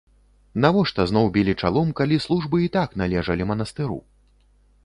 Навошта зноў білі чалом, калі службы і так належалі манастыру?